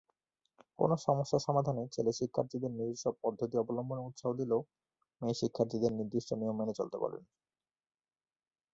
কোন সমস্যা সমাধানে ছেলে শিক্ষার্থীদের নিজস্ব পদ্ধতি অবলম্বনে উৎসাহ দিলেও মেয়ে শিক্ষার্থীদের নির্দিষ্ট নিয়ম মেনে চলতে বলেন।